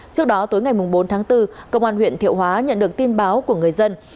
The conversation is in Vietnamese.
trước đó tối ngày bốn tháng bốn công an huyện thiệu hóa nhận được tin báo của người dân